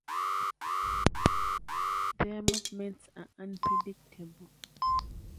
Their movements are unpredictable.